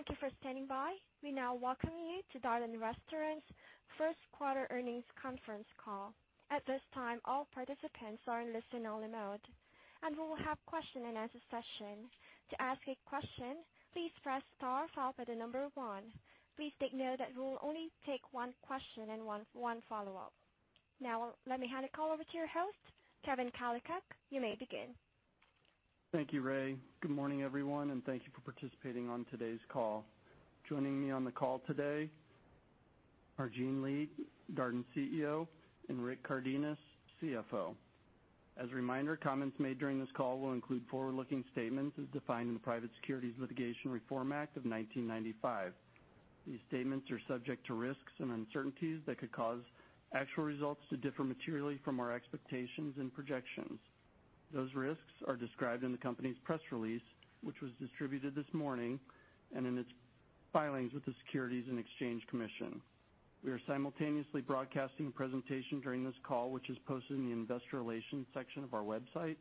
Thank you for standing by. We now welcome you to Darden Restaurants' first quarter earnings conference call. At this time, all participants are in listen-only mode, and we will have question-and-answer session. To ask a question, please press star followed by the number 1. Please take note that we will only take one question and one follow-up. Let me hand the call over to your host, Kevin Kalicak. You may begin. Thank you, Ray. Good morning, everyone, and thank you for participating on today's call. Joining me on the call today are Gene Lee, Darden CEO, and Rick Cardenas, CFO. As a reminder, comments made during this call will include forward-looking statements as defined in the Private Securities Litigation Reform Act of 1995. These statements are subject to risks and uncertainties that could cause actual results to differ materially from our expectations and projections. Those risks are described in the company's press release, which was distributed this morning, and in its filings with the Securities and Exchange Commission. We are simultaneously broadcasting a presentation during this call, which is posted in the investor relations section of our website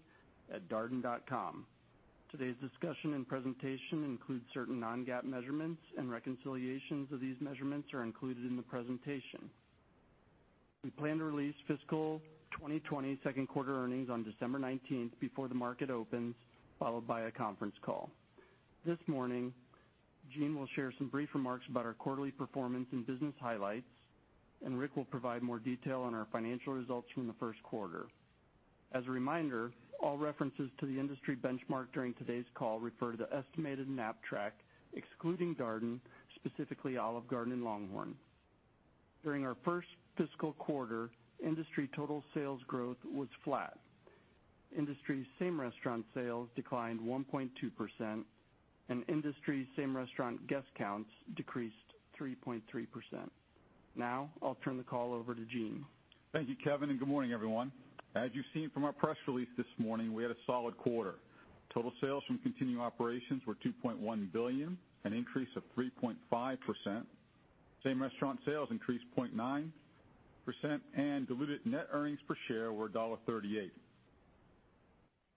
at darden.com. Today's discussion and presentation includes certain non-GAAP measurements and reconciliations of these measurements are included in the presentation. We plan to release fiscal 2020 second quarter earnings on December 19th before the market opens, followed by a conference call. This morning, Gene will share some brief remarks about our quarterly performance and business highlights, and Rick will provide more detail on our financial results from the first quarter. As a reminder, all references to the industry benchmark during today's call refer to the estimated Knapp-Track, excluding Darden, specifically Olive Garden, and LongHorn. During our first fiscal quarter, industry total sales growth was flat. Industry same restaurant sales declined 1.2%, and industry same restaurant guest counts decreased 3.3%. Now, I'll turn the call over to Gene. Thank you, Kevin. Good morning, everyone. As you've seen from our press release this morning, we had a solid quarter. Total sales from continuing operations were $2.1 billion, an increase of 3.5%. Same restaurant sales increased 0.9%. Diluted net earnings per share were $1.38.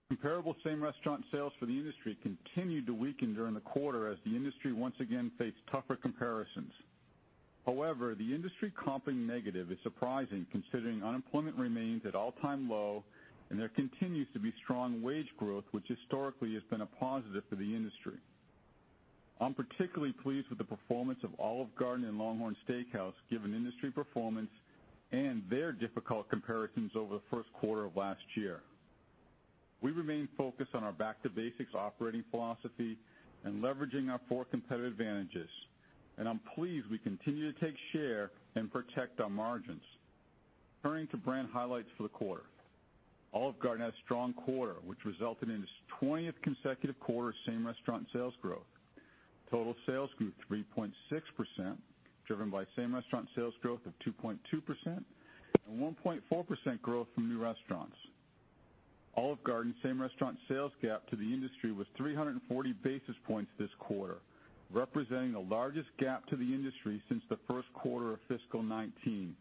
Comparable same-restaurant sales for the industry continued to weaken during the quarter as the industry once again faced tougher comparisons. The industry comping negative is surprising considering unemployment remains at all-time low. There continues to be strong wage growth, which historically has been a positive for the industry. I'm particularly pleased with the performance of Olive Garden and LongHorn Steakhouse, given industry performance and their difficult comparisons over the first quarter of last year. We remain focused on our back-to-basics operating philosophy and leveraging our four competitive advantages. I'm pleased we continue to take share and protect our margins. Turning to brand highlights for the quarter. Olive Garden had a strong quarter, which resulted in its 20th consecutive quarter same restaurant sales growth. Total sales grew 3.6%, driven by same restaurant sales growth of 2.2% and 1.4% growth from new restaurants. Olive Garden same restaurant sales gap to the industry was 340 basis points this quarter, representing the largest gap to the industry since the first quarter of fiscal 2019.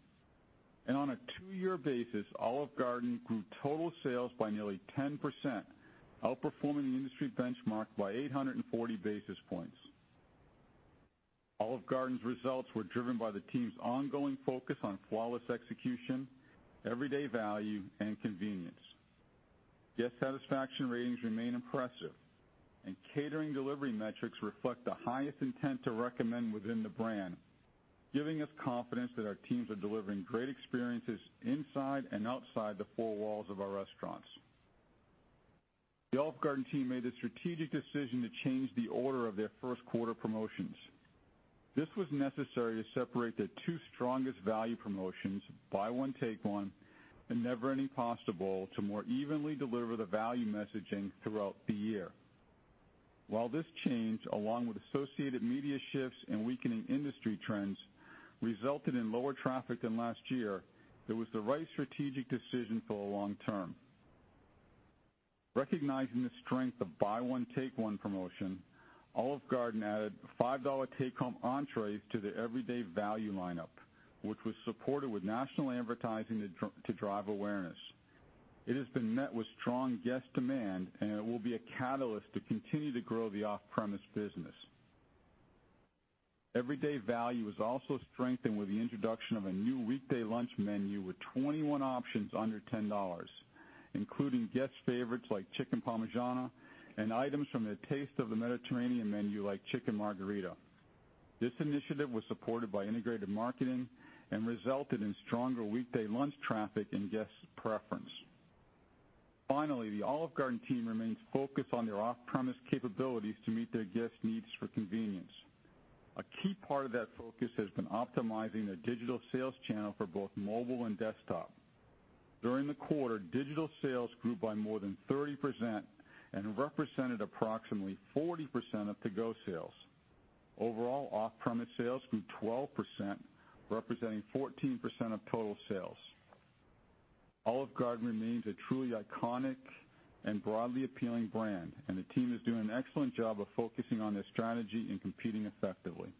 On a two-year basis, Olive Garden grew total sales by nearly 10%, outperforming the industry benchmark by 840 basis points. Olive Garden's results were driven by the team's ongoing focus on flawless execution, everyday value, and convenience. Guest satisfaction ratings remain impressive, and catering delivery metrics reflect the highest intent to recommend within the brand, giving us confidence that our teams are delivering great experiences inside and outside the four walls of our restaurants. The Olive Garden team made a strategic decision to change the order of their first quarter promotions. This was necessary to separate their two strongest value promotions, Buy One, Take One, and Never Ending Pasta Bowl, to more evenly deliver the value messaging throughout the year. While this change, along with associated media shifts and weakening industry trends, resulted in lower traffic than last year, it was the right strategic decision for the long term. Recognizing the strength of Buy One, Take One promotion, Olive Garden added $5 take-home entrees to their everyday value lineup, which was supported with national advertising to drive awareness. It has been met with strong guest demand, and it will be a catalyst to continue to grow the off-premise business. Everyday value was also strengthened with the introduction of a new weekday lunch menu with 21 options under $10, including guest favorites like chicken parmigiana and items from the Taste of the Mediterranean menu like chicken Margherita. This initiative was supported by integrated marketing and resulted in stronger weekday lunch traffic and guest preference. Finally, the Olive Garden team remains focused on their off-premise capabilities to meet their guests' needs for convenience. A key part of that focus has been optimizing their digital sales channel for both mobile and desktop. During the quarter, digital sales grew by more than 30% and represented approximately 40% of to-go sales. Overall, off-premise sales grew 12%, representing 14% of total sales. Olive Garden remains a truly iconic and broadly appealing brand, and the team is doing an excellent job of focusing on their strategy and competing effectively.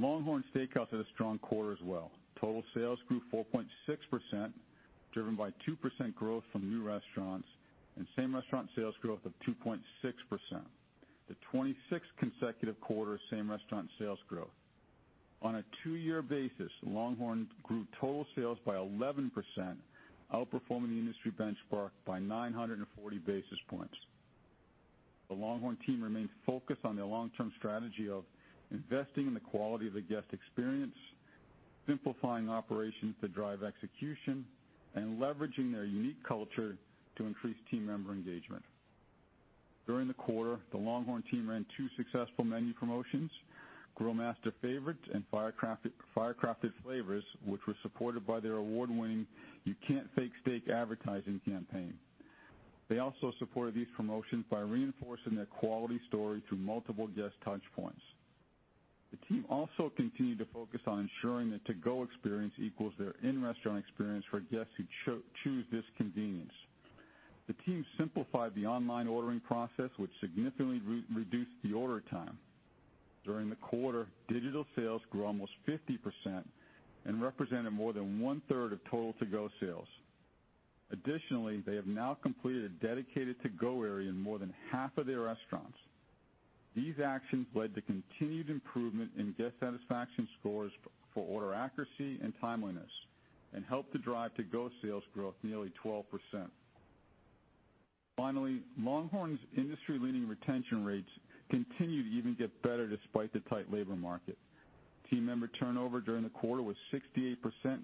LongHorn Steakhouse had a strong quarter as well. Total sales grew 4.6%, driven by 2% growth from new restaurants and same-restaurant sales growth of 2.6%. The 26th consecutive quarter of same-restaurant sales growth. On a two-year basis, LongHorn grew total sales by 11%, outperforming the industry benchmark by 940 basis points. The LongHorn team remains focused on their long-term strategy of investing in the quality of the guest experience, simplifying operations to drive execution, and leveraging their unique culture to increase team member engagement. During the quarter, the LongHorn team ran two successful menu promotions, Grill Master Favorites and Firecrafted Flavors, which were supported by their award-winning You Can't Fake Steak advertising campaign. They also supported these promotions by reinforcing their quality story through multiple guest touchpoints. The team also continued to focus on ensuring their to-go experience equals their in-restaurant experience for guests who choose this convenience. The team simplified the online ordering process, which significantly reduced the order time. During the quarter, digital sales grew almost 50% and represented more than one-third of total to-go sales. Additionally, they have now completed a dedicated to-go area in more than half of their restaurants. These actions led to continued improvement in guest satisfaction scores for order accuracy and timeliness and helped to drive to-go sales growth nearly 12%. Finally, LongHorn's industry-leading retention rates continue to even get better despite the tight labor market. Team member turnover during the quarter was 68%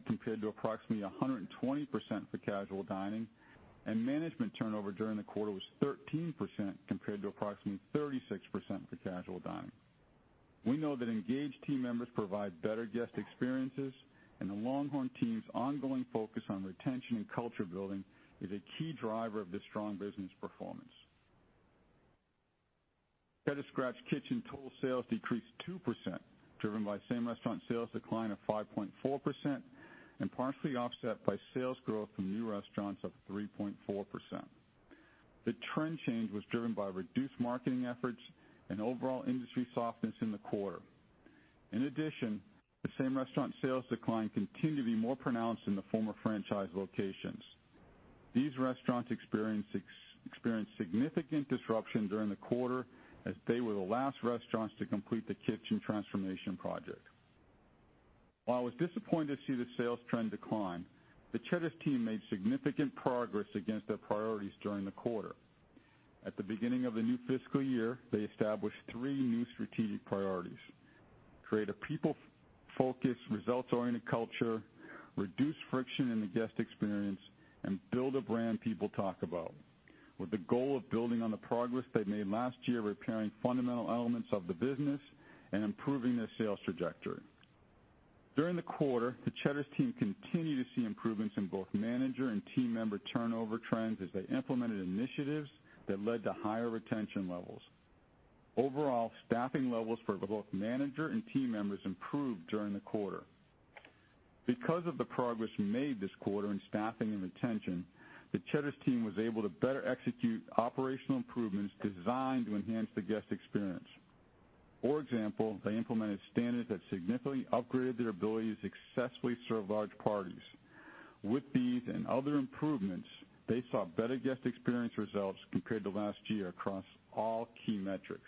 compared to approximately 120% for casual dining, and management turnover during the quarter was 13% compared to approximately 36% for casual dining. We know that engaged team members provide better guest experiences, and the LongHorn team's ongoing focus on retention and culture building is a key driver of this strong business performance. Cheddar's Scratch Kitchen total sales decreased 2%, driven by same-restaurant sales decline of 5.4% and partially offset by sales growth from new restaurants of 3.4%. The trend change was driven by reduced marketing efforts and overall industry softness in the quarter. In addition, the same-restaurant sales decline continued to be more pronounced in the former franchise locations. These restaurants experienced significant disruption during the quarter as they were the last restaurants to complete the kitchen transformation project. While I was disappointed to see the sales trend decline, the Cheddar's team made significant progress against their priorities during the quarter. At the beginning of the new fiscal year, they established three new strategic priorities. Create a people-focused, results-oriented culture. Reduce friction in the guest experience, and build a brand people talk about. With the goal of building on the progress they made last year repairing fundamental elements of the business and improving their sales trajectory. During the quarter, the Cheddar's team continued to see improvements in both manager and team member turnover trends as they implemented initiatives that led to higher retention levels. Overall, staffing levels for both manager and team members improved during the quarter. Because of the progress made this quarter in staffing and retention, the Cheddar's team was able to better execute operational improvements designed to enhance the guest experience. For example, they implemented standards that significantly upgraded their ability to successfully serve large parties. With these and other improvements, they saw better guest experience results compared to last year across all key metrics.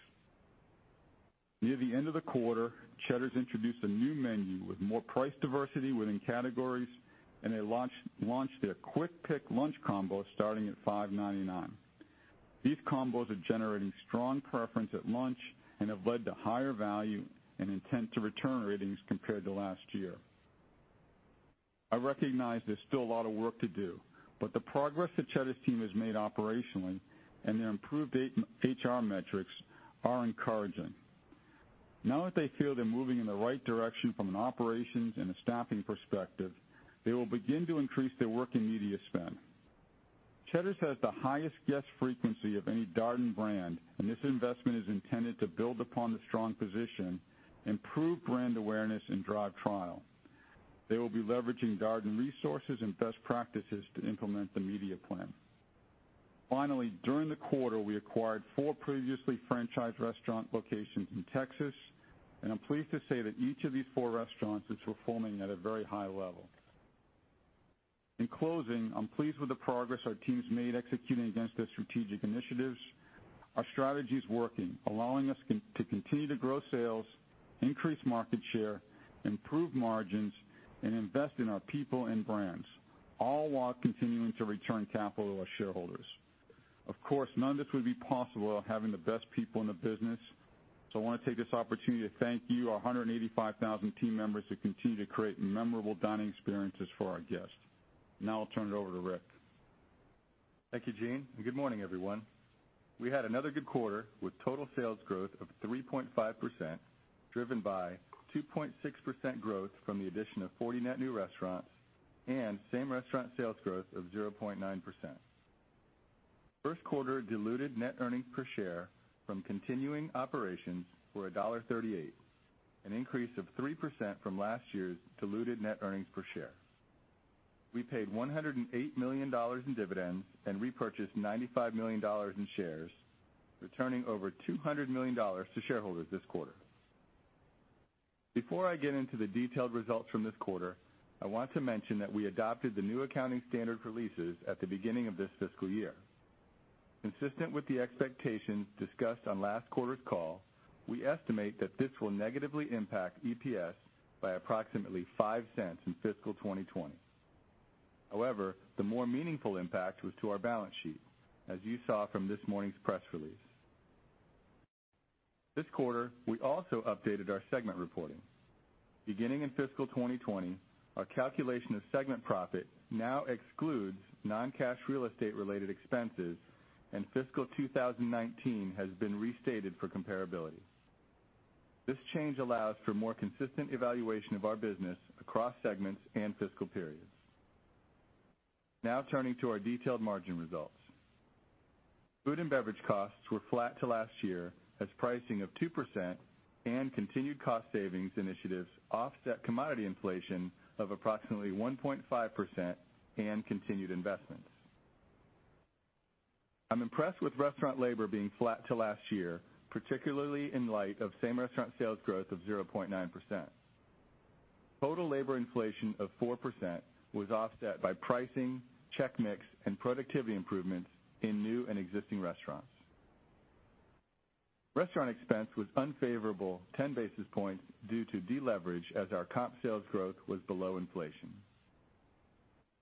Near the end of the quarter, Cheddar's introduced a new menu with more price diversity within categories, and they launched their Quick Pick lunch combo starting at $5.99. These combos are generating strong preference at lunch and have led to higher value and intent to return ratings compared to last year. I recognize there's still a lot of work to do, but the progress the Cheddar's team has made operationally and their improved HR metrics are encouraging. Now that they feel they're moving in the right direction from an operations and a staffing perspective, they will begin to increase their work in media spend. Cheddar's has the highest guest frequency of any Darden brand, and this investment is intended to build upon the strong position, improve brand awareness, and drive trial. They will be leveraging Darden resources and best practices to implement the media plan. During the quarter, we acquired four previously franchised restaurant locations in Texas, and I'm pleased to say that each of these four restaurants is performing at a very high level. In closing, I'm pleased with the progress our team's made executing against their strategic initiatives. Our strategy is working, allowing us to continue to grow sales, increase market share, improve margins, and invest in our people and brands, all while continuing to return capital to our shareholders. Of course, none of this would be possible without having the best people in the business. I want to take this opportunity to thank you, our 185,000 team members, who continue to create memorable dining experiences for our guests. I'll turn it over to Rick. Thank you, Gene. Good morning, everyone. We had another good quarter with total sales growth of 3.5%, driven by 2.6% growth from the addition of 40 net new restaurants and same-restaurant sales growth of 0.9%. First quarter diluted net earnings per share from continuing operations were $1.38, an increase of 3% from last year's diluted net earnings per share. We paid $108 million in dividends and repurchased $95 million in shares, returning over $200 million to shareholders this quarter. Before I get into the detailed results from this quarter, I want to mention that we adopted the new accounting standard for leases at the beginning of this fiscal year. Consistent with the expectations discussed on last quarter's call, we estimate that this will negatively impact EPS by approximately $0.05 in fiscal 2020. However, the more meaningful impact was to our balance sheet, as you saw from this morning's press release. This quarter, we also updated our segment reporting. Beginning in fiscal 2020, our calculation of segment profit now excludes non-cash real estate related expenses, and fiscal 2019 has been restated for comparability. This change allows for more consistent evaluation of our business across segments and fiscal periods. Turning to our detailed margin results. Food and beverage costs were flat to last year as pricing of 2% and continued cost savings initiatives offset commodity inflation of approximately 1.5% and continued investments. I'm impressed with restaurant labor being flat to last year, particularly in light of same-restaurant sales growth of 0.9%. Total labor inflation of 4% was offset by pricing, check mix, and productivity improvements in new and existing restaurants. Restaurant expense was unfavorable 10 basis points due to deleverage as our comp sales growth was below inflation.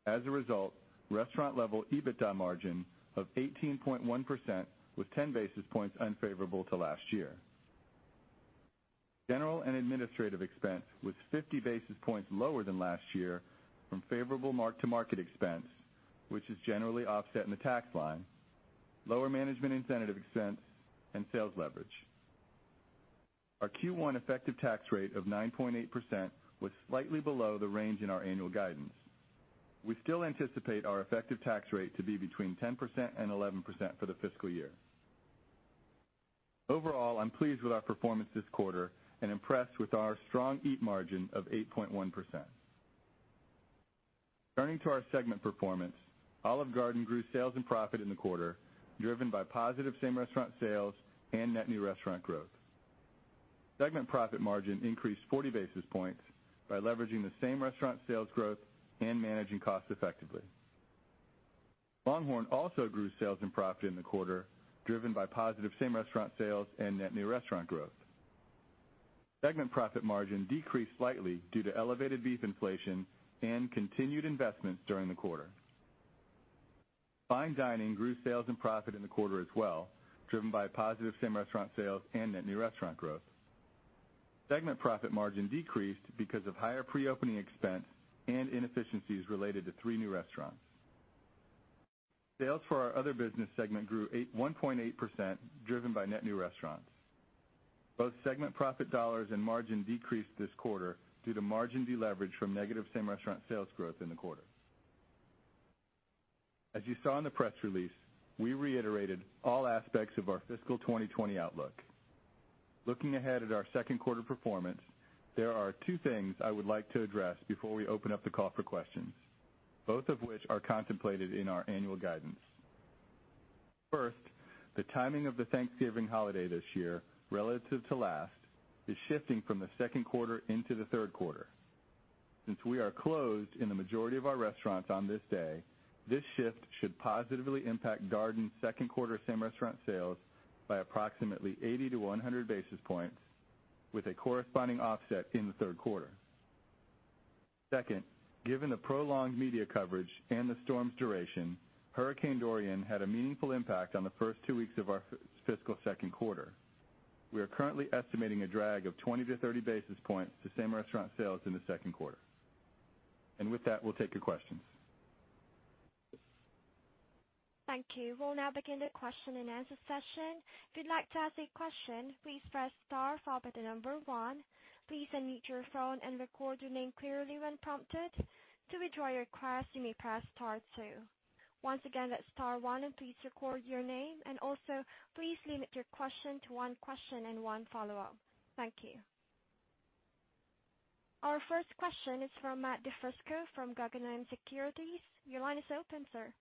As a result, restaurant-level EBITDA margin of 18.1% was 10 basis points unfavorable to last year. General and administrative expense was 50 basis points lower than last year from favorable mark-to-market expense, which is generally offset in the tax line, lower management incentive expense, and sales leverage. Our Q1 effective tax rate of 9.8% was slightly below the range in our annual guidance. We still anticipate our effective tax rate to be between 10% and 11% for the fiscal year. Overall, I'm pleased with our performance this quarter and impressed with our strong EAT margin of 8.1%. Turning to our segment performance, Olive Garden grew sales and profit in the quarter, driven by positive same-restaurant sales and net new restaurant growth. Segment profit margin increased 40 basis points by leveraging the same-restaurant sales growth and managing costs effectively. LongHorn also grew sales and profit in the quarter, driven by positive same-restaurant sales and net new restaurant growth. Segment profit margin decreased slightly due to elevated beef inflation and continued investments during the quarter. Fine dining grew sales and profit in the quarter as well, driven by positive same-restaurant sales and net new restaurant growth. Segment profit margin decreased because of higher pre-opening expense and inefficiencies related to three new restaurants. Sales for our other business segment grew 1.8%, driven by net new restaurants. Both segment profit dollars and margin decreased this quarter due to margin deleverage from negative same-restaurant sales growth in the quarter. As you saw in the press release, we reiterated all aspects of our fiscal 2020 outlook. Looking ahead at our second quarter performance, there are two things I would like to address before we open up the call for questions, both of which are contemplated in our annual guidance. First, the timing of the Thanksgiving holiday this year relative to last, is shifting from the second quarter into the third quarter. Since we are closed in the majority of our restaurants on this day, this shift should positively impact Darden's second quarter same-restaurant sales by approximately 80-100 basis points, with a corresponding offset in the third quarter. Second, given the prolonged media coverage and the storm's duration, Hurricane Dorian had a meaningful impact on the first two weeks of our fiscal second quarter. We are currently estimating a drag of 20-30 basis points to same-restaurant sales in the second quarter. With that, we'll take your questions. Thank you. We'll now begin the question and answer session. If you'd like to ask a question, please press star followed by the number one. Please unmute your phone and record your name clearly when prompted. To withdraw your request, you may press star two. Once again, that's star one. Please record your name. Also, please limit your question to one question and one follow-up. Thank you. Our first question is from Matthew DiFiore from Guggenheim Securities. Your line is open, sir.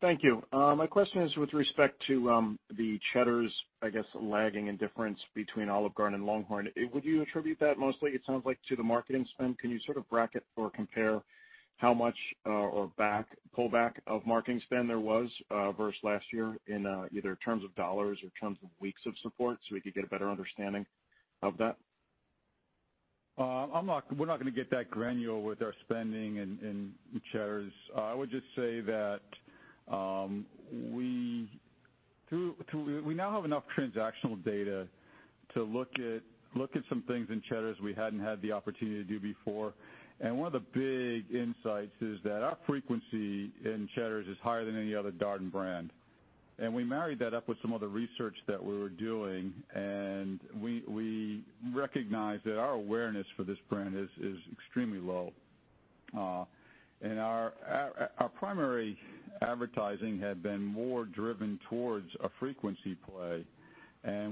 Thank you. My question is with respect to the Cheddar's, I guess, lagging in difference between Olive Garden and LongHorn. Would you attribute that mostly, it sounds like, to the marketing spend? Can you sort of bracket or compare how much or pullback of marketing spend there was versus last year in either terms of dollars or terms of weeks of support so we could get a better understanding of that? We're not going to get that granular with our spending in Cheddar's. I would just say that we now have enough transactional data to look at some things in Cheddar's we hadn't had the opportunity to do before. One of the big insights is that our frequency in Cheddar's is higher than any other Darden brand. We married that up with some other research that we were doing, and we recognized that our awareness for this brand is extremely low. Our primary advertising had been more driven towards a frequency play.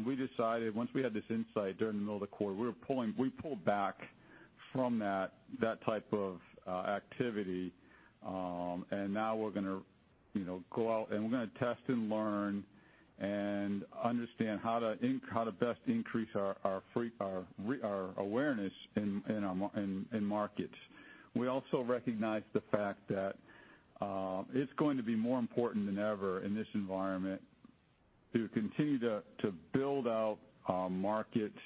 We decided once we had this insight during the middle of the quarter, we pulled back from that type of activity. Now we're going to go out and we're going to test and learn and understand how to best increase our awareness in markets. We also recognize the fact that it's going to be more important than ever in this environment to continue to build out markets,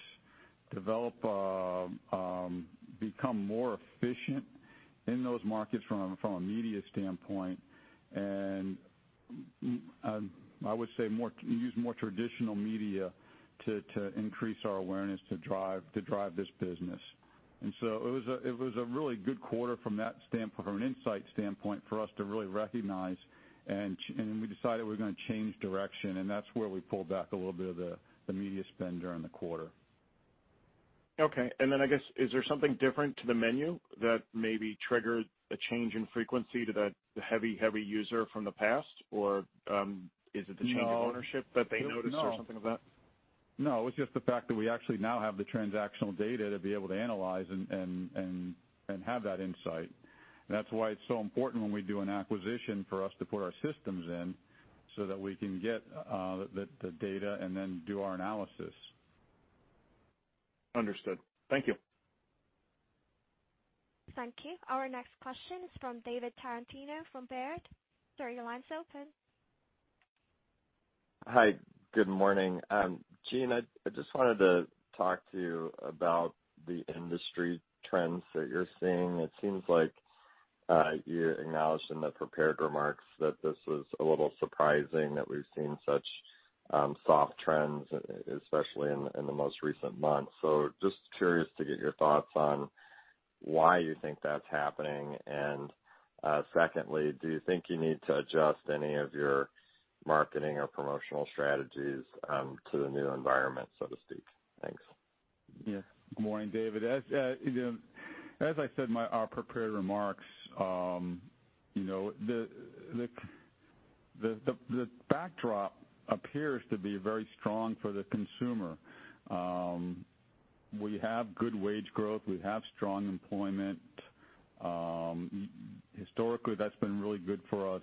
develop, become more efficient in those markets from a media standpoint, and I would say, use more traditional media to increase our awareness to drive this business. It was a really good quarter from an insight standpoint for us to really recognize, and we decided we were going to change direction, and that's where we pulled back a little bit of the media spend during the quarter. Okay. I guess, is there something different to the menu that maybe triggered a change in frequency to that heavy user from the past? Or is it the change of ownership that they noticed or something like that? No, it was just the fact that we actually now have the transactional data to be able to analyze and have that insight. That's why it's so important when we do an acquisition for us to put our systems in so that we can get the data and then do our analysis. Understood. Thank you. Thank you. Our next question is from David Tarantino from Baird. Sir, your line is open. Hi, good morning. Gene, I just wanted to talk to you about the industry trends that you're seeing. It seems like you acknowledged in the prepared remarks that this was a little surprising that we've seen such soft trends, especially in the most recent months. Just curious to get your thoughts on why you think that's happening. Secondly, do you think you need to adjust any of your marketing or promotional strategies to the new environment, so to speak? Thanks. Yeah. Good morning, David. As I said in our prepared remarks, the backdrop appears to be very strong for the consumer. We have good wage growth. We have strong employment. Historically, that's been really good for us.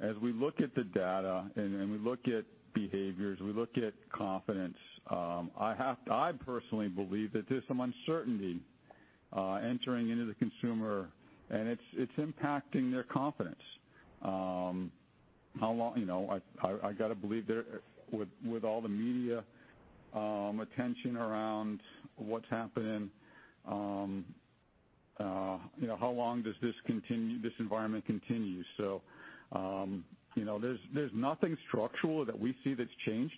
As we look at the data and we look at behaviors, we look at confidence, I personally believe that there's some uncertainty entering into the consumer, and it's impacting their confidence. I got to believe there, with all the media attention around what's happening, how long does this environment continue? There's nothing structural that we see that's changed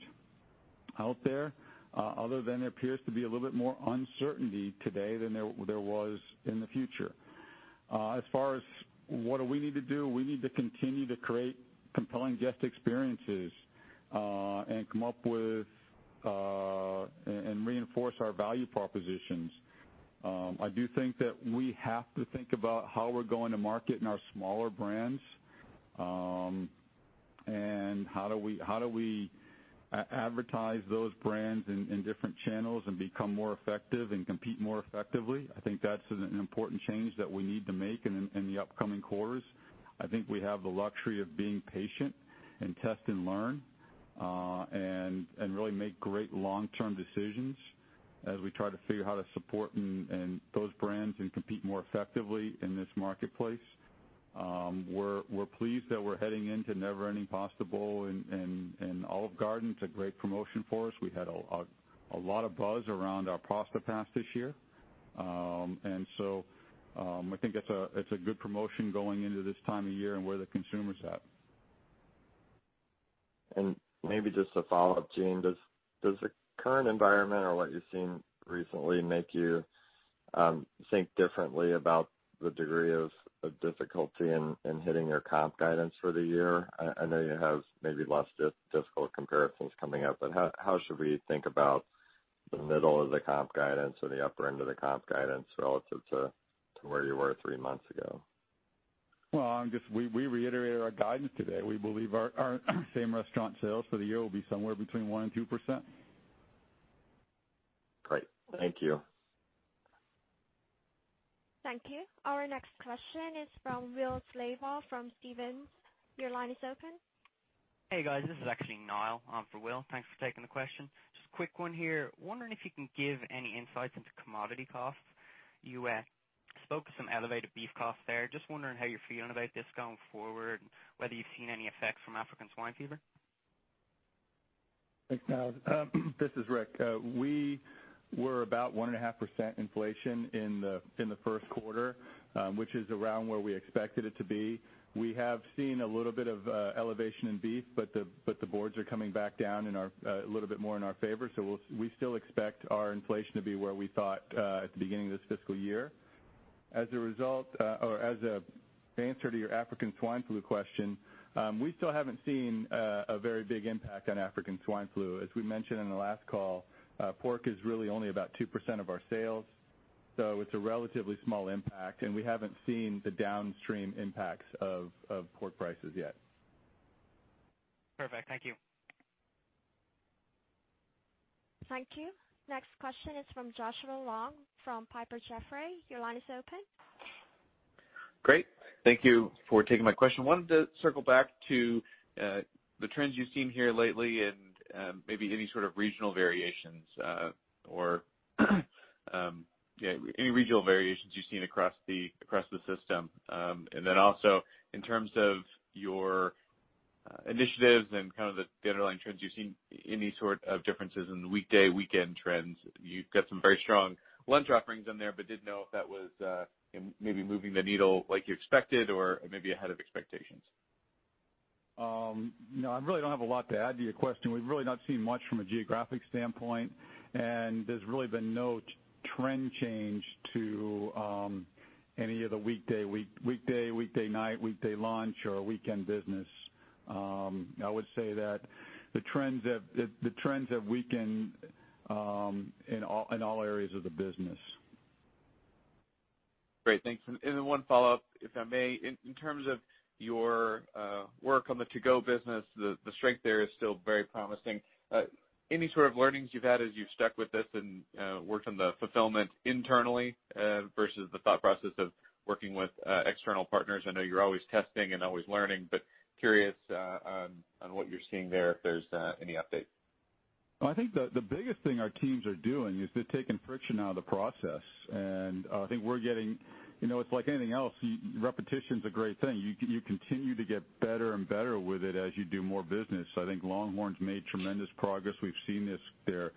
out there, other than there appears to be a little bit more uncertainty today than there was in the future. As far as what do we need to do, we need to continue to create compelling guest experiences, and come up with and reinforce our value propositions. I do think that we have to think about how we're going to market in our smaller brands, and how do we advertise those brands in different channels and become more effective and compete more effectively. I think that's an important change that we need to make in the upcoming quarters. I think we have the luxury of being patient and test and learn, and really make great long-term decisions as we try to figure how to support those brands and compete more effectively in this marketplace. We're pleased that we're heading into Never Ending Pasta Bowl in Olive Garden. It's a great promotion for us. We had a lot of buzz around our Pasta Pass this year. I think it's a good promotion going into this time of year and where the consumer's at. Maybe just a follow-up, Gene. Does the current environment or what you've seen recently make you think differently about the degree of difficulty in hitting your comp guidance for the year? I know you have maybe less difficult comparisons coming up, how should we think about the middle of the comp guidance or the upper end of the comp guidance relative to where you were three months ago? Well, we reiterated our guidance today. We believe our same restaurant sales for the year will be somewhere between 1% and 2%. Great. Thank you. Thank you. Our next question is from Will Slabaugh from Stephens. Your line is open. Hey, guys, this is actually Niall for Will. Thanks for taking the question. Just a quick one here. Wondering if you can give any insights into commodity costs. You spoke of some elevated beef costs there. Just wondering how you're feeling about this going forward, whether you've seen any effects from African swine fever. Thanks, Niall. This is Rick. We were about 1.5% inflation in the first quarter, which is around where we expected it to be. We have seen a little bit of elevation in beef, the boards are coming back down a little bit more in our favor. We still expect our inflation to be where we thought at the beginning of this fiscal year. As an answer to your African swine fever question, we still haven't seen a very big impact on African swine fever. As we mentioned in the last call, pork is really only about 2% of our sales. It's a relatively small impact, and we haven't seen the downstream impacts of pork prices yet. Perfect. Thank you. Thank you. Next question is from Joshua Long from Piper Jaffray. Your line is open. Great. Thank you for taking my question. Wanted to circle back to the trends you've seen here lately and maybe any sort of regional variations, or any regional variations you've seen across the system. Then also in terms of your initiatives and the underlying trends you've seen, any sort of differences in the weekday, weekend trends. You've got some very strong lunch offerings in there, didn't know if that was maybe moving the needle like you expected or maybe ahead of expectations. No, I really don't have a lot to add to your question. We've really not seen much from a geographic standpoint, and there's really been no trend change to any of the weekday night, weekday lunch, or weekend business. I would say that the trends have weakened in all areas of the business. Great. Thanks. Then one follow-up, if I may. In terms of your work on the to-go business, the strength there is still very promising. Any sort of learnings you've had as you've stuck with this and worked on the fulfillment internally versus the thought process of working with external partners? I know you're always testing and always learning, curious on what you're seeing there, if there's any updates. Well, I think the biggest thing our teams are doing is they're taking friction out of the process. It's like anything else. Repetition's a great thing. You continue to get better and better with it as you do more business. I think LongHorn's made tremendous progress. We've seen their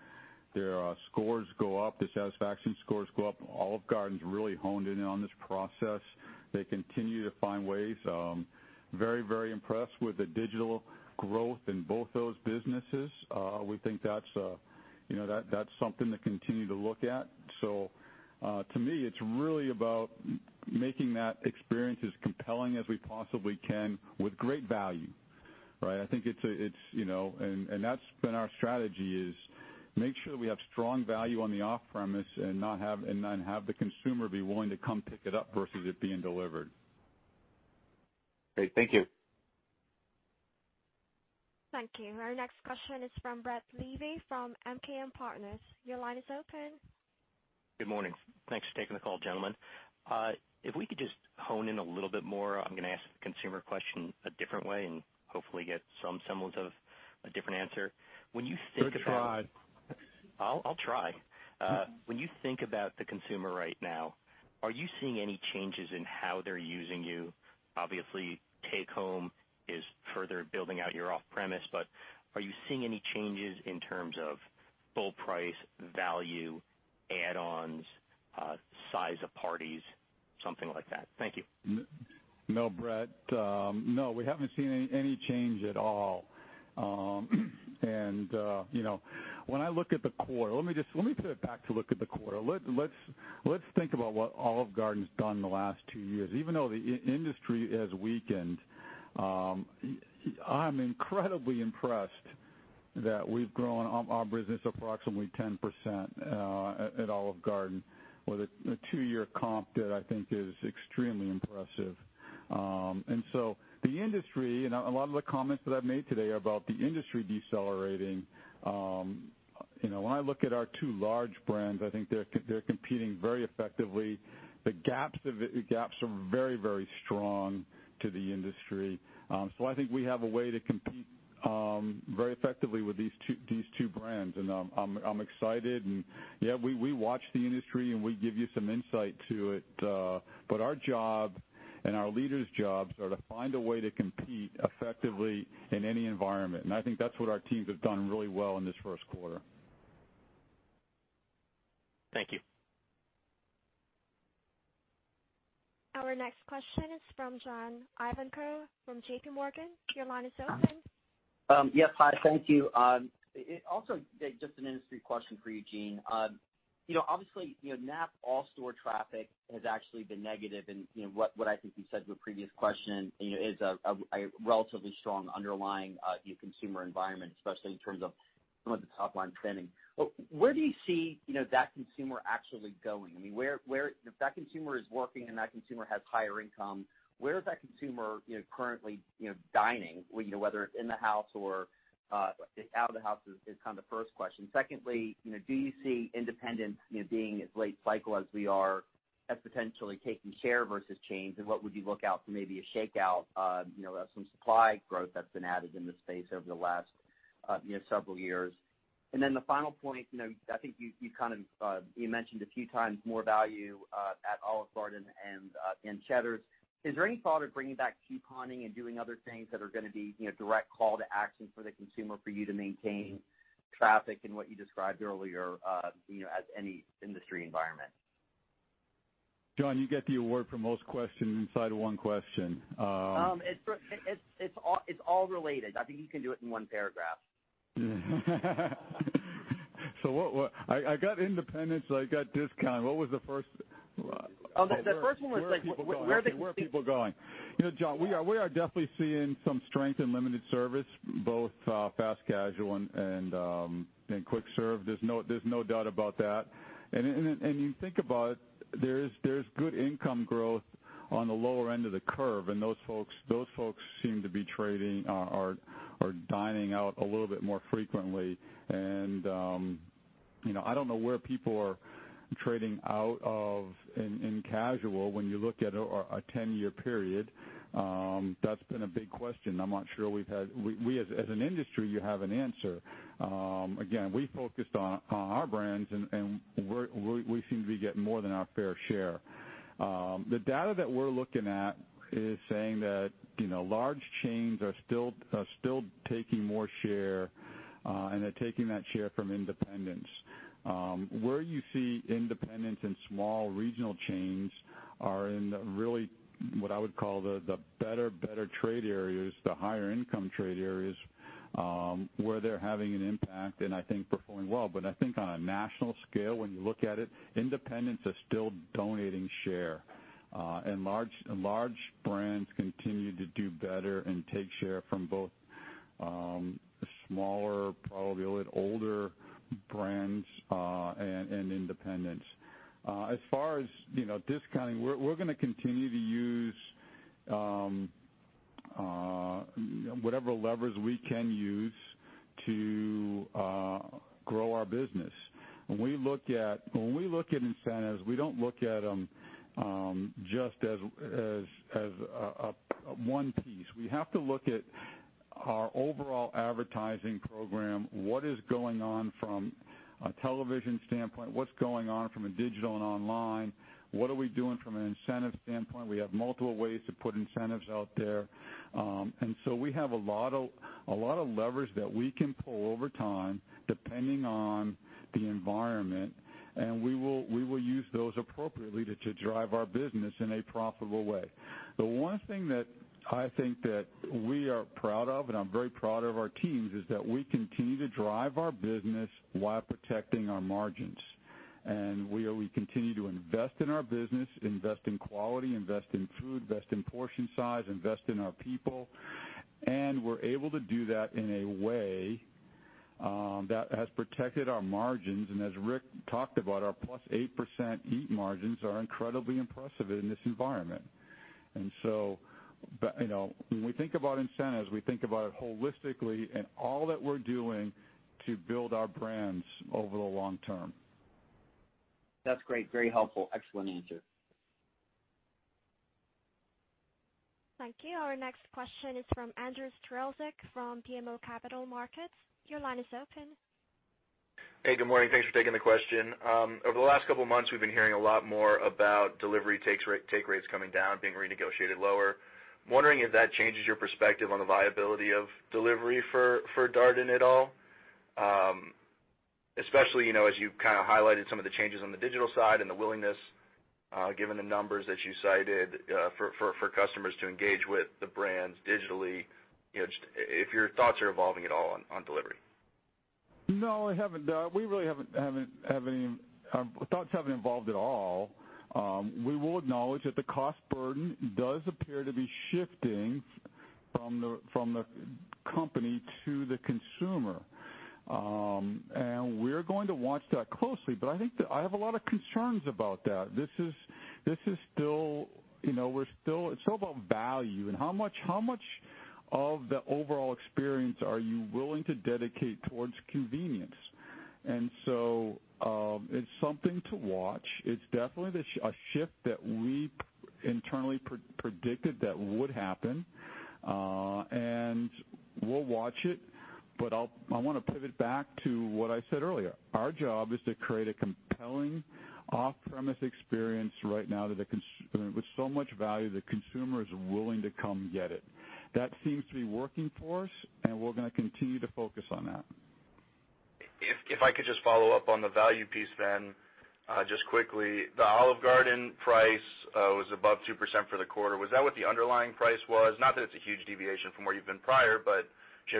scores go up, the satisfaction scores go up. Olive Garden's really honed in on this process. They continue to find ways. We are very impressed with the digital growth in both those businesses. We think that's something to continue to look at. To me, it's really about making that experience as compelling as we possibly can with great value. Right? That's been our strategy is make sure we have strong value on the off-premise and then have the consumer be willing to come pick it up versus it being delivered. Great. Thank you. Thank you. Our next question is from Brett Levy from MKM Partners. Your line is open. Good morning. Thanks for taking the call, gentlemen. If we could just hone in a little bit more, I'm going to ask the consumer question a different way and hopefully get some semblance of a different answer. When you think about- We'll try. I'll try. When you think about the consumer right now, are you seeing any changes in how they're using you? Obviously, take-home is further building out your off-premise, but are you seeing any changes in terms of full price, value, add-ons, size of parties, something like that? Thank you. No, Brett. No, we haven't seen any change at all. When I look at the quarter, let me put it back to look at the quarter. Let's think about what Olive Garden's done in the last two years. Even though the industry has weakened, I'm incredibly impressed that we've grown our business approximately 10% at Olive Garden with a two-year comp that I think is extremely impressive. The industry, and a lot of the comments that I've made today are about the industry decelerating. When I look at our two large brands, I think they're competing very effectively. The gaps are very strong to the industry. I think we have a way to compete very effectively with these two brands and I'm excited. Yeah, we watch the industry, and we give you some insight to it. Our job and our leaders' jobs are to find a way to compete effectively in any environment. I think that's what our teams have done really well in this first quarter. Thank you. Our next question is from John Ivankoe from JPMorgan. Your line is open. Yes. Hi, thank you. Also, just an industry question for you, Gene. Obviously, KNAPP-TRACK all store traffic has actually been negative and what I think you said to a previous question is a relatively strong underlying consumer environment, especially in terms of some of the top-line spending. Where do you see that consumer actually going? If that consumer is working and that consumer has higher income, where is that consumer currently dining, whether it's in the house or out of the house is kind of the first question. Secondly, do you see independents, being as late cycle as we are, as potentially taking share versus chains, and what would you look out for maybe a shakeout of some supply growth that's been added in the space over the last several years? The final point, I think you mentioned a few times more value at Olive Garden and in Cheddar's. Is there any thought of bringing back couponing and doing other things that are going to be direct call to action for the consumer for you to maintain traffic in what you described earlier, as any industry environment? John, you get the award for most questions inside of one question. It's all related. I think you can do it in one paragraph. I got independents, I got discount. What was the first The first one was like, where are they. Where are people going? John, we are definitely seeing some strength in limited service, both fast casual and quick serve. There's no doubt about that. You think about it, there's good income growth on the lower end of the curve, and those folks seem to be trading or are dining out a little bit more frequently. I don't know where people are trading out of in casual when you look at a 10-year period. That's been a big question. I'm not sure we, as an industry, have an answer. Again, we focused on our brands, and we seem to be getting more than our fair share. The data that we're looking at is saying that large chains are still taking more share, and they're taking that share from independents. Where you see independents and small regional chains are in the really, what I would call the better trade areas, the higher income trade areas, where they're having an impact, and I think performing well. I think on a national scale, when you look at it, independents are still donating share. Large brands continue to do better and take share from both smaller, probably a little older brands, and independents. As far as discounting, we're going to continue to use whatever levers we can use to grow our business. When we look at incentives, we don't look at them just as one piece. We have to look at our overall advertising program, what is going on from a television standpoint, what's going on from a digital and online, what are we doing from an incentive standpoint. We have multiple ways to put incentives out there. We have a lot of levers that we can pull over time, depending on the environment, and we will use those appropriately to drive our business in a profitable way. The one thing that I think that we are proud of, and I'm very proud of our teams, is that we continue to drive our business while protecting our margins. We continue to invest in our business, invest in quality, invest in food, invest in portion size, invest in our people. We're able to do that in a way that has protected our margins, and as Rick talked about, our +8% EAT margins are incredibly impressive in this environment. When we think about incentives, we think about it holistically and all that we're doing to build our brands over the long term. That's great. Very helpful. Excellent answer. Thank you. Our next question is from Andrew Strelzik from BMO Capital Markets. Your line is open. Hey, good morning. Thanks for taking the question. Over the last couple of months, we've been hearing a lot more about delivery take rates coming down, being renegotiated lower. I'm wondering if that changes your perspective on the viability of delivery for Darden at all. Especially, as you've highlighted some of the changes on the digital side and the willingness, given the numbers that you cited, for customers to engage with the brands digitally. If your thoughts are evolving at all on delivery? No, our thoughts haven't evolved at all. We will acknowledge that the cost burden does appear to be shifting from the company to the consumer. We're going to watch that closely. I have a lot of concerns about that. It's all about value and how much of the overall experience are you willing to dedicate towards convenience. It's something to watch. It's definitely a shift that we internally predicted that would happen. We'll watch it, but I want to pivot back to what I said earlier. Our job is to create a compelling off-premise experience right now with so much value, the consumer is willing to come get it. That seems to be working for us, and we're going to continue to focus on that. If I could just follow up on the value piece, just quickly. The Olive Garden price was above 2% for the quarter. Was that what the underlying price was? Not that it's a huge deviation from where you've been prior,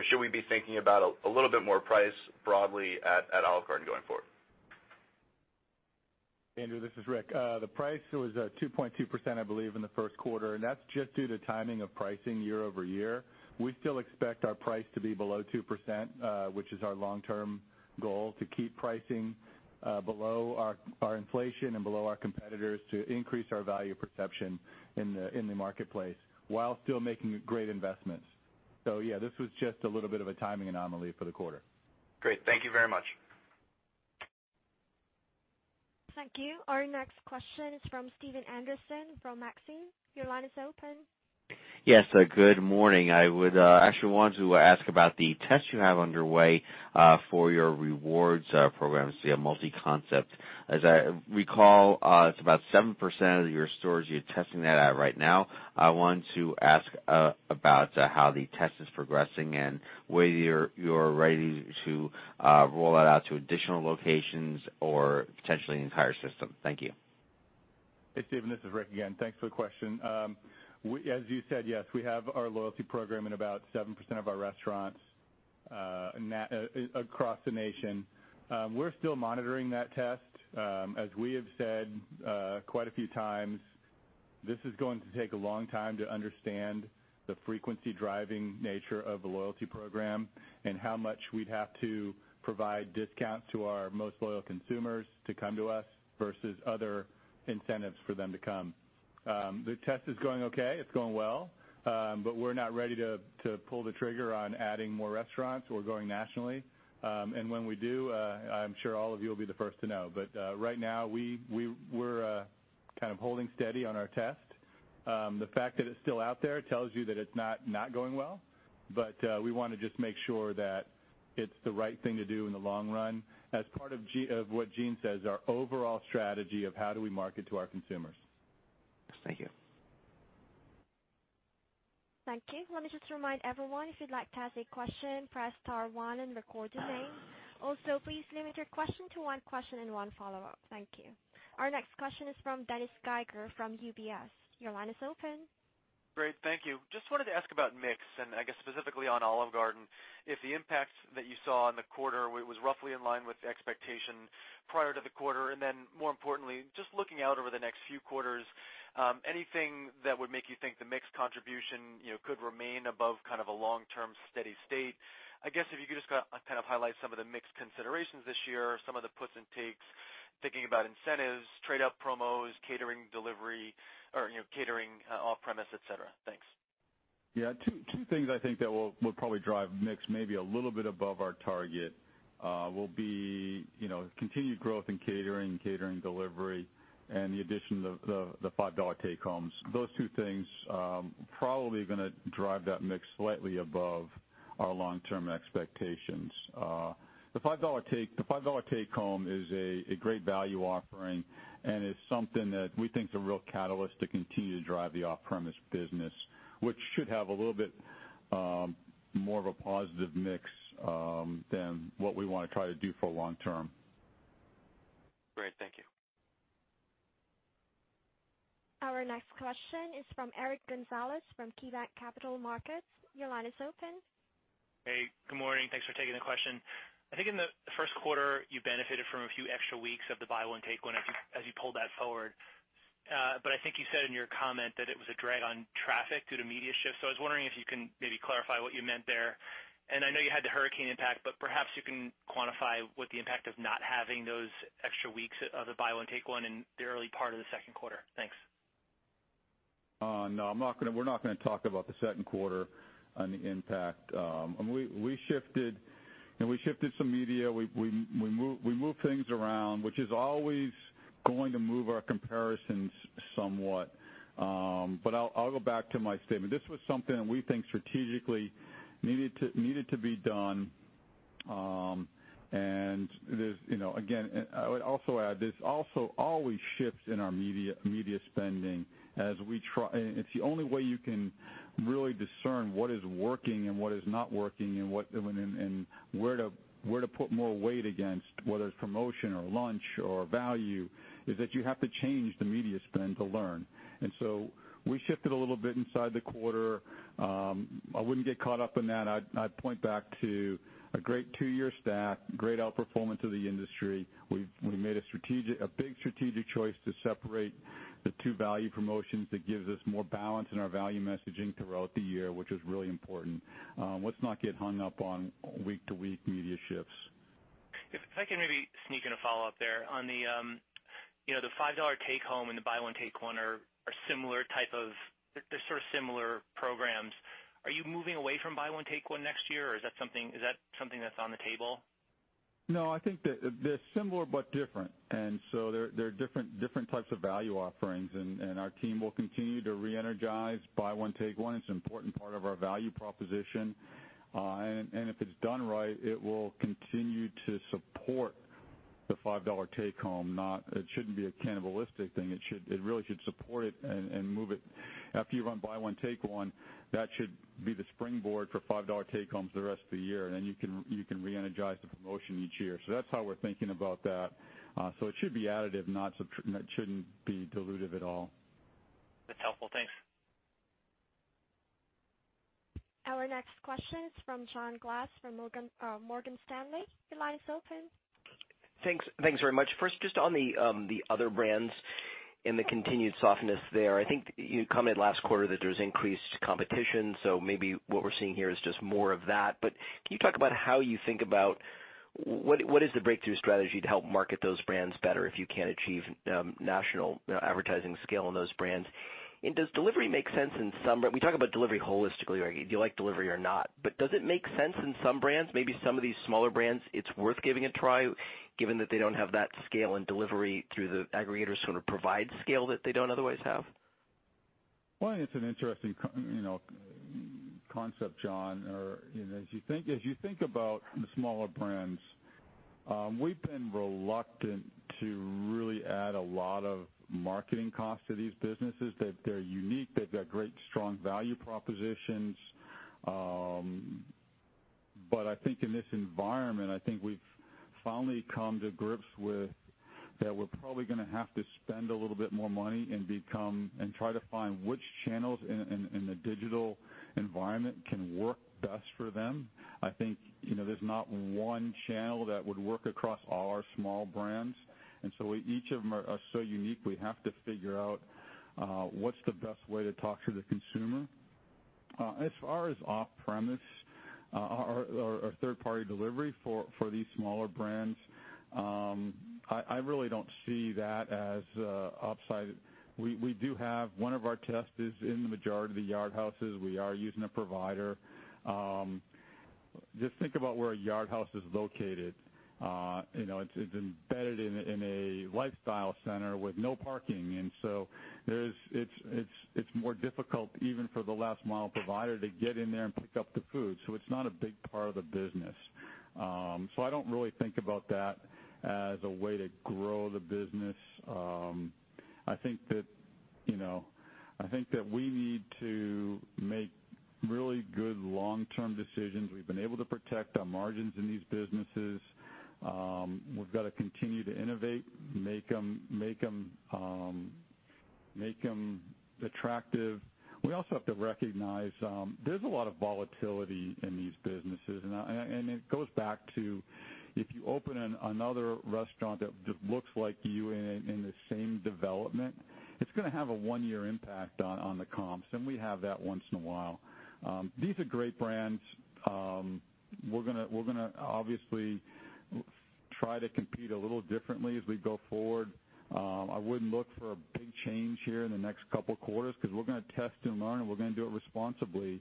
should we be thinking about a little bit more price broadly at Olive Garden going forward? Andrew, this is Rick. The price was at 2.2%, I believe, in the first quarter. That's just due to timing of pricing year-over-year. We still expect our price to be below 2%, which is our long-term goal, to keep pricing below our inflation and below our competitors to increase our value perception in the marketplace while still making great investments. Yeah, this was just a little bit of a timing anomaly for the quarter. Great. Thank you very much. Thank you. Our next question is from Stephen Anderson from Maxim Group. Your line is open. Yes, good morning. I would actually want to ask about the test you have underway for your rewards program, so your multi-concept. As I recall, it's about 7% of your stores you're testing that at right now. I want to ask about how the test is progressing and whether you're ready to roll that out to additional locations or potentially the entire system. Thank you. Hey, Stephen, this is Rick again. Thanks for the question. As you said, yes, we have our loyalty program in about 7% of our restaurants across the nation. We're still monitoring that test. As we have said quite a few times, this is going to take a long time to understand the frequency driving nature of the loyalty program and how much we'd have to provide discounts to our most loyal consumers to come to us versus other incentives for them to come. The test is going okay. It's going well. We're not ready to pull the trigger on adding more restaurants or going nationally. When we do, I'm sure all of you will be the first to know. Right now, we're holding steady on our test. The fact that it's still out there tells you that it's not not going well, but we want to just make sure that it's the right thing to do in the long run as part of what Gene says, our overall strategy of how do we market to our consumers. Thank you. Thank you. Let me just remind everyone, if you'd like to ask a question, press star one and record your name. Also, please limit your question to one question and one follow-up. Thank you. Our next question is from Dennis Geiger from UBS. Your line is open. Great. Thank you. Just wanted to ask about mix. I guess specifically on Olive Garden. If the impact that you saw in the quarter was roughly in line with the expectation prior to the quarter, more importantly, just looking out over the next few quarters, anything that would make you think the mix contribution could remain above a long-term steady state? I guess if you could just highlight some of the mix considerations this year, some of the puts and takes, thinking about incentives, trade-up promos, catering delivery, or catering off-premise, et cetera. Thanks. Yeah. two things I think that will probably drive mix maybe a little bit above our target will be continued growth in catering delivery, and the addition of the $5 take-homes. those two things probably going to drive that mix slightly above our long-term expectations. The $5 take home is a great value offering and is something that we think is a real catalyst to continue to drive the off-premise business, which should have a little bit more of a positive mix than what we want to try to do for long term. Great. Thank you. Our next question is from Eric Gonzalez from KeyBanc Capital Markets. Your line is open. Hey, good morning. Thanks for taking the question. I think in the first quarter, you benefited from a few extra weeks of the Buy One, Take One as you pulled that forward. I think you said in your comment that it was a drag on traffic due to media shift. I was wondering if you can maybe clarify what you meant there. I know you had the hurricane impact, but perhaps you can quantify what the impact of not having those extra weeks of the Buy One, Take One in the early part of the second quarter. Thanks. No, we're not going to talk about the second quarter on the impact. We shifted some media. We moved things around, which is always going to move our comparisons somewhat. I'll go back to my statement. This was something that we think strategically needed to be done. Again, I would also add, there's also always shifts in our media spending. It's the only way you can really discern what is working and what is not working and where to put more weight against, whether it's promotion or lunch or value, is that you have to change the media spend to learn. We shifted a little bit inside the quarter. I wouldn't get caught up in that. I'd point back to a great two-year stack, great outperformance of the industry. We made a big strategic choice to separate the two value promotions that gives us more balance in our value messaging throughout the year, which is really important. Let's not get hung up on week-to-week media shifts. If I can maybe sneak in a follow-up there. On the $5 take home and the Buy One, Take One are sort of similar programs. Are you moving away from Buy One, Take One next year, or is that something that's on the table? No, I think that they're similar but different. They're different types of value offerings, and our team will continue to reenergize Buy One, Take One. It's an important part of our value proposition. If it's done right, it will continue to support the $5 take home. It shouldn't be a cannibalistic thing. It really should support it and move it. After you run Buy One, Take One, that should be the springboard for $5 take homes the rest of the year, and then you can reenergize the promotion each year. That's how we're thinking about that. It should be additive, it shouldn't be dilutive at all. That's helpful. Thanks. Our next question is from John Glass from Morgan Stanley. Your line is open. Thanks very much. First, just on the other brands and the continued softness there. I think you commented last quarter that there's increased competition, so maybe what we're seeing here is just more of that. Can you talk about how you think about what is the breakthrough strategy to help market those brands better if you can't achieve national advertising scale on those brands? Does delivery make sense in some-- We talk about delivery holistically, do you like delivery or not? Does it make sense in some brands? Maybe some of these smaller brands, it's worth giving a try, given that they don't have that scale and delivery through the aggregators to provide scale that they don't otherwise have? It's an interesting concept, John. As you think about the smaller brands, we've been reluctant to really add a lot of marketing costs to these businesses. They're unique. They've got great, strong value propositions. I think in this environment, I think we've finally come to grips with that we're probably going to have to spend a little bit more money and try to find which channels in the digital environment can work best for them. I think there's not one channel that would work across all our small brands, each of them are so unique. We have to figure out what's the best way to talk to the consumer. As far as off-premise or third-party delivery for these smaller brands, I really don't see that as an upside. We do have one of our tests is in the majority of the Yard Houses, we are using a provider. Just think about where a Yard House is located. It's embedded in a lifestyle center with no parking. It's more difficult even for the last mile provider to get in there and pick up the food. It's not a big part of the business. I don't really think about that as a way to grow the business. I think that we need to make really good long-term decisions. We've been able to protect our margins in these businesses. We've got to continue to innovate, make them attractive. We also have to recognize, there's a lot of volatility in these businesses. It goes back to, if you open another restaurant that looks like you in the same development, it's going to have a one-year impact on the comps, and we have that once in a while. These are great brands. We're going to obviously try to compete a little differently as we go forward. I wouldn't look for a big change here in the next couple of quarters because we're going to test and learn, and we're going to do it responsibly.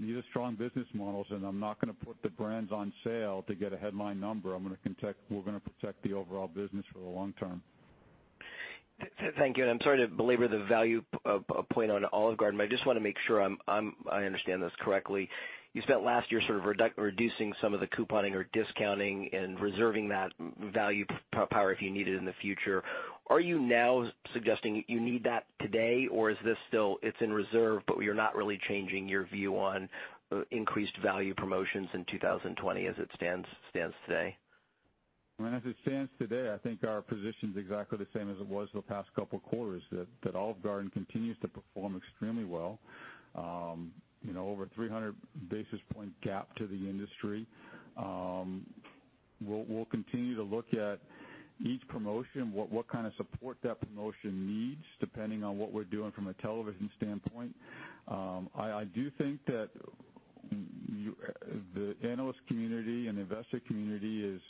These are strong business models, and I'm not going to put the brands on sale to get a headline number. We're going to protect the overall business for the long term. Thank you. I'm sorry to belabor the value point on Olive Garden, but I just want to make sure I understand this correctly. You spent last year sort of reducing some of the couponing or discounting and reserving that value power if you need it in the future. Are you now suggesting you need that today, or is this still it's in reserve, but you're not really changing your view on increased value promotions in 2020 as it stands today? As it stands today, I think our position is exactly the same as it was the past couple of quarters, that Olive Garden continues to perform extremely well. Over a 300 basis point gap to the industry. We'll continue to look at each promotion, what kind of support that promotion needs, depending on what we're doing from a television standpoint. I do think that the analyst community and investor community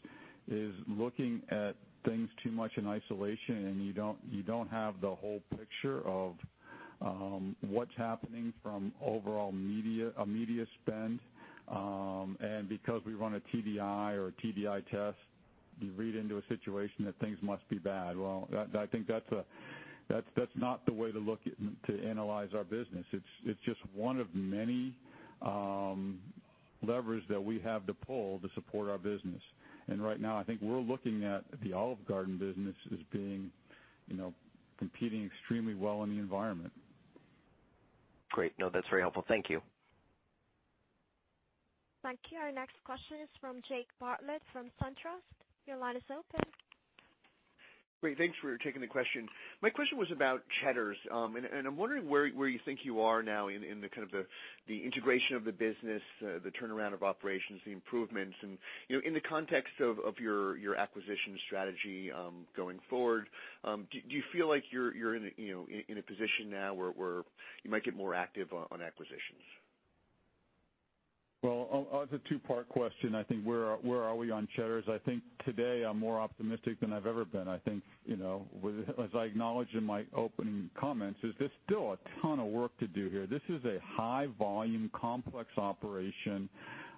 is looking at things too much in isolation, you don't have the whole picture of what's happening from overall media spend. Because we run a TBI or a TBI test, you read into a situation that things must be bad. Well, I think that's not the way to analyze our business. It's just one of many levers that we have to pull to support our business. Right now, I think we're looking at the Olive Garden business as competing extremely well in the environment. Great. No, that's very helpful. Thank you. Thank you. Our next question is from Jake Bartlett from SunTrust. Your line is open. Great. Thanks for taking the question. My question was about Cheddar's. I'm wondering where you think you are now in the integration of the business, the turnaround of operations, the improvements. In the context of your acquisition strategy going forward, do you feel like you're in a position now where you might get more active on acquisitions? Well, as a two-part question, I think where are we on Cheddar's? I think today I'm more optimistic than I've ever been. I think, as I acknowledged in my opening comments, is there's still a ton of work to do here. This is a high volume, complex operation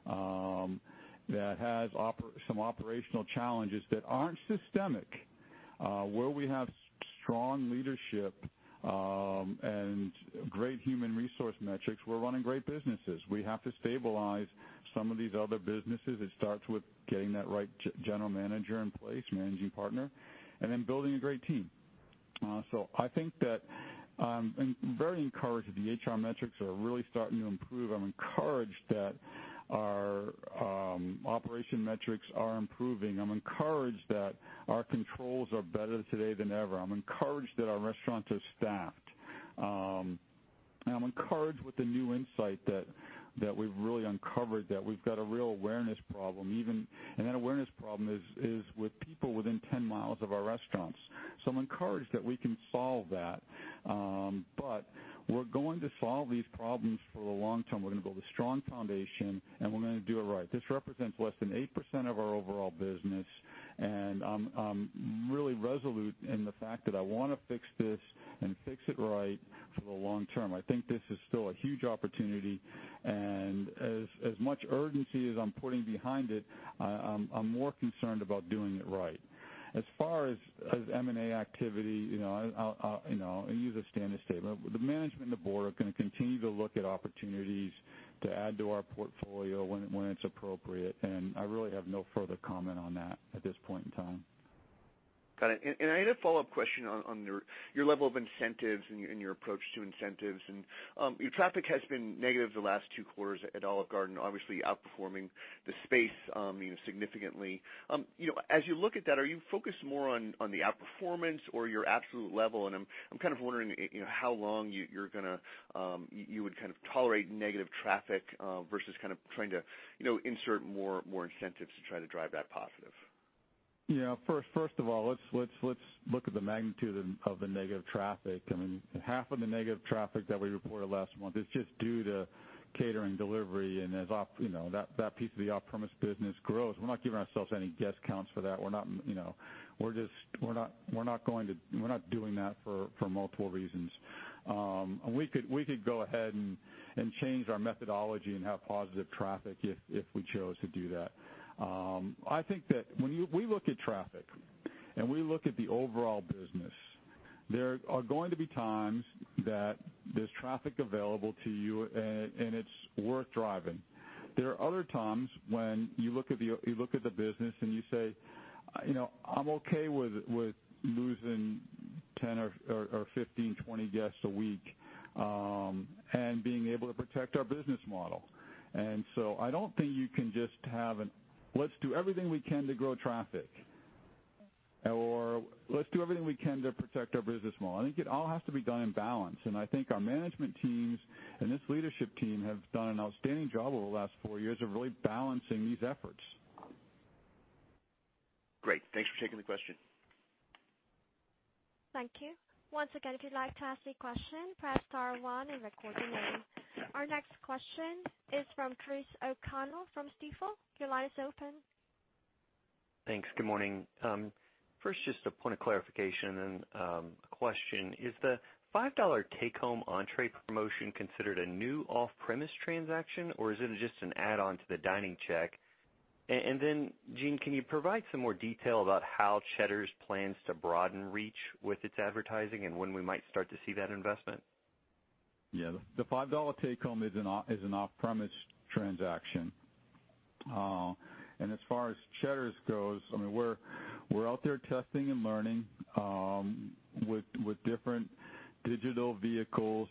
that has some operational challenges that aren't systemic. Where we have strong leadership and great human resource metrics, we're running great businesses. We have to stabilize some of these other businesses. It starts with getting that right general manager in place, managing partner, and then building a great team. I think that I'm very encouraged that the HR metrics are really starting to improve. I'm encouraged that our operation metrics are improving. I'm encouraged that our controls are better today than ever. I'm encouraged that our restaurants are staffed. I'm encouraged with the new insight that we've really uncovered, that we've got a real awareness problem even, and that awareness problem is with people within 10 miles of our restaurants. I'm encouraged that we can solve that. We're going to solve these problems for the long term. We're going to build a strong foundation, and we're going to do it right. This represents less than 8% of our overall business, and I'm really resolute in the fact that I want to fix this and fix it right for the long term. I think this is still a huge opportunity, and as much urgency as I'm putting behind it, I'm more concerned about doing it right. As far as M&A activity, I'll use a standard statement. The management and the board are going to continue to look at opportunities to add to our portfolio when it's appropriate. I really have no further comment on that at this point in time. Got it. I had a follow-up question on your level of incentives and your approach to incentives. Your traffic has been negative the last two quarters at Olive Garden, obviously outperforming the space significantly. As you look at that, are you focused more on the outperformance or your absolute level? I'm kind of wondering how long you would tolerate negative traffic versus trying to insert more incentives to try to drive that positive. First of all, let's look at the magnitude of the negative traffic. Half of the negative traffic that we reported last month is just due to catering delivery. As that piece of the off-premise business grows, we're not giving ourselves any guest counts for that. We're not doing that for multiple reasons. We could go ahead and change our methodology and have positive traffic if we chose to do that. I think that when we look at traffic and we look at the overall business, there are going to be times that there's traffic available to you, and it's worth driving. There are other times when you look at the business and you say, "I'm okay with losing 10 or 15, 20 guests a week and being able to protect our business model." I don't think you can just have an, "Let's do everything we can to grow traffic," or, "Let's do everything we can to protect our business model." I think it all has to be done in balance, and I think our management teams and this leadership team have done an outstanding job over the last four years of really balancing these efforts. Great. Thanks for taking the question. Thank you. Once again, if you'd like to ask a question, press star one and record your name. Our next question is from Chris O'Cull from Stifel. Your line is open. Thanks. Good morning. First, just a point of clarification and a question. Is the $5 take-home entree promotion considered a new off-premise transaction, or is it just an add-on to the dining check? Gene, can you provide some more detail about how Cheddar's plans to broaden reach with its advertising and when we might start to see that investment? Yeah. The $5 take-home is an off-premise transaction. As far as Cheddar's goes, we're out there testing and learning with different digital vehicles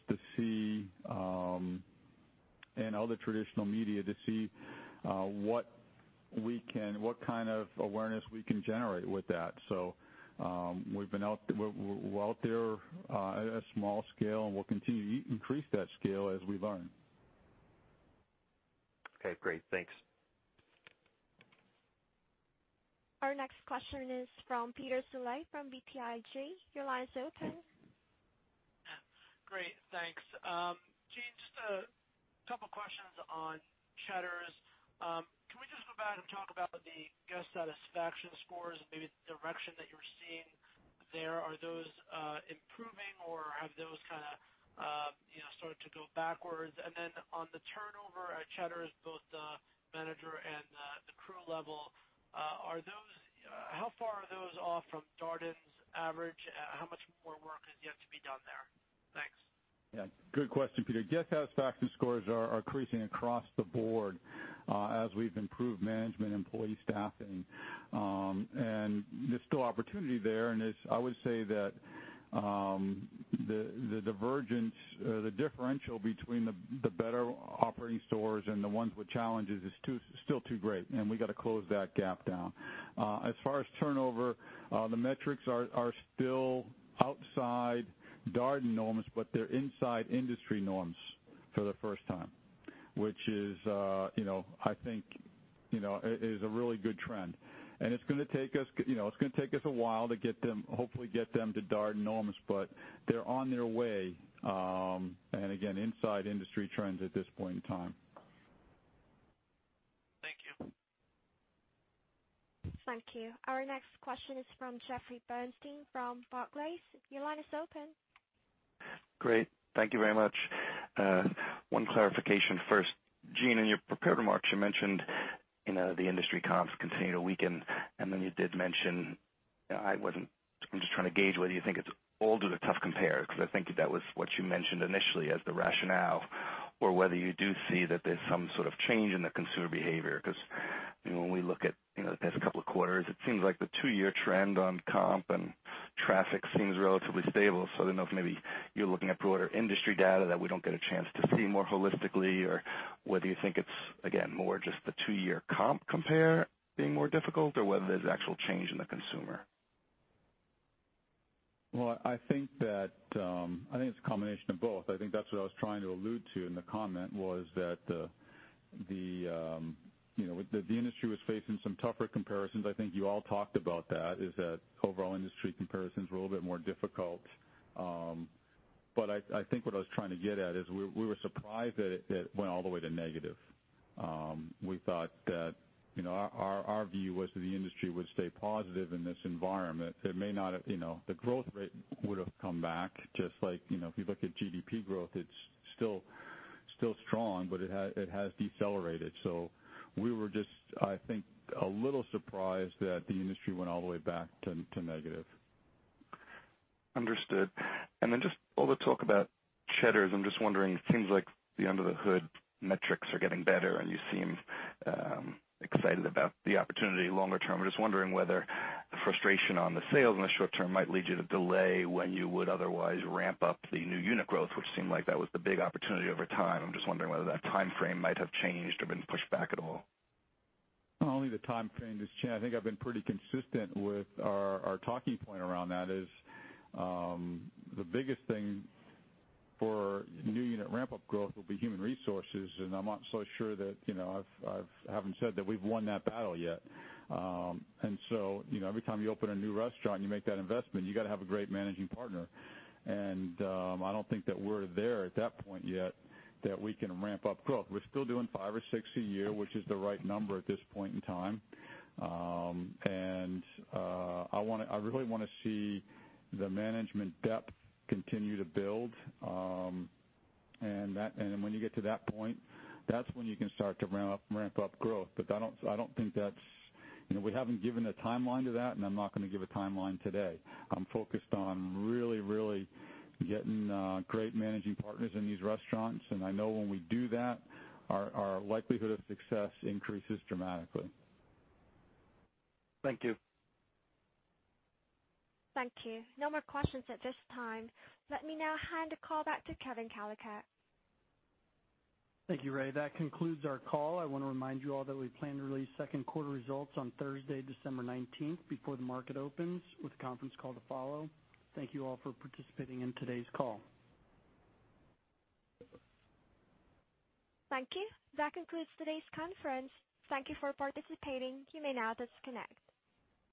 and other traditional media to see what kind of awareness we can generate with that. We're out there at a small scale, and we'll continue to increase that scale as we learn. Okay, great. Thanks. Our next question is from Peter Saleh from BTIG. Your line is open. Great, thanks. Gene, just a couple questions on Cheddar's. Can we just go back and talk about the guest satisfaction scores and maybe the direction that you're seeing there? Are those improving, or have those started to go backwards? On the turnover at Cheddar's, both the manager and the crew level, how far are those off from Darden's average? How much more work is yet to be done there? Thanks. Yeah. Good question, Peter. Guest satisfaction scores are increasing across the board as we've improved management employee staffing. There's still opportunity there, and I would say that the divergence or the differential between the better operating stores and the ones with challenges is still too great, and we got to close that gap down. As far as turnover, the metrics are still outside Darden norms, but they're inside industry norms for the first time, which is I think is a really good trend. It's going to take us a while to hopefully get them to Darden norms, but they're on their way. Again, inside industry trends at this point in time. Thank you. Thank you. Our next question is from Jeffrey Bernstein from Barclays. Your line is open. Great. Thank you very much. One clarification first. Gene, in your prepared remarks, you mentioned the industry comps continuing to weaken, and then you did I'm just trying to gauge whether you think it's all due to tough compare, because I think that was what you mentioned initially as the rationale, or whether you do see that there's some sort of change in the consumer behavior. When we look at the past couple of quarters, it seems like the two-year trend on comp and traffic seems relatively stable. I don't know if maybe you're looking at broader industry data that we don't get a chance to see more holistically, or whether you think it's, again, more just the two-year comp compare being more difficult, or whether there's actual change in the consumer. Well, I think it's a combination of both. I think that's what I was trying to allude to in the comment was that the industry was facing some tougher comparisons. I think you all talked about that, is that overall industry comparisons were a little bit more difficult. I think what I was trying to get at is we were surprised that it went all the way to negative. We thought that our view was that the industry would stay positive in this environment. The growth rate would've come back, just like if you look at GDP growth, it's still strong, but it has decelerated. We were just, I think, a little surprised that the industry went all the way back to negative. Understood. Just all the talk about Cheddar's, I'm just wondering, it seems like the under the hood metrics are getting better and you seem excited about the opportunity longer term. I'm just wondering whether the frustration on the sales in the short term might lead you to delay when you would otherwise ramp up the new unit growth, which seemed like that was the big opportunity over time. I'm just wondering whether that timeframe might have changed or been pushed back at all. Not only the timeframe has changed, I think I've been pretty consistent with our talking point around that is the biggest thing for new unit ramp-up growth will be human resources, and I'm not so sure that I haven't said that we've won that battle yet. Every time you open a new restaurant and you make that investment, you got to have a great managing partner. I don't think that we're there at that point yet that we can ramp up growth. We're still doing five or six a year, which is the right number at this point in time. I really want to see the management depth continue to build. When you get to that point, that's when you can start to ramp up growth. We haven't given a timeline to that, and I'm not going to give a timeline today. I'm focused on really getting great managing partners in these restaurants, and I know when we do that, our likelihood of success increases dramatically. Thank you. Thank you. No more questions at this time. Let me now hand the call back to Kevin Kalicak. Thank you, Ray. That concludes our call. I want to remind you all that we plan to release second quarter results on Thursday, December 19th before the market opens with a conference call to follow. Thank you all for participating in today's call. Thank you. That concludes today's conference. Thank you for participating. You may now disconnect.